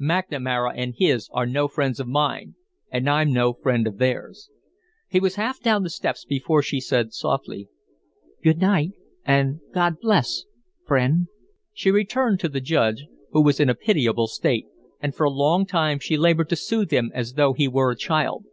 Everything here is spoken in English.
McNamara and his are no friends of mine, and I'm no friend of theirs." He was half down the steps before she said, softly: "Good night, and God bless you friend." She returned to the Judge, who was in a pitiable state, and for a long time she labored to soothe him as though he were a child.